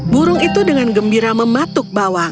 burung itu dengan gembira mematuk bawang